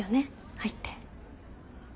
入って。